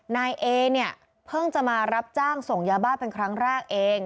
นายเอเนี่ยเพิ่งจะมารับจ้างส่งยาบ้าเป็นครั้งแรกเอง